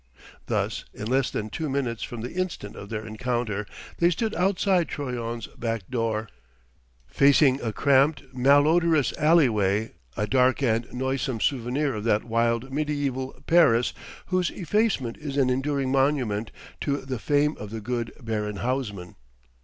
Thus, in less than two minutes from the instant of their encounter, they stood outside Troyon's back door, facing a cramped, malodorous alley way a dark and noisome souvenir of that wild mediaeval Paris whose effacement is an enduring monument to the fame of the good Baron Haussmann.